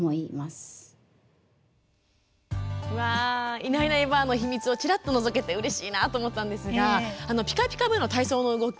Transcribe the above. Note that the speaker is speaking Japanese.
「いないいないばあっ！」の秘密をちらっとのぞけてうれしいと思ったんですがピカピカブ！の体操の動き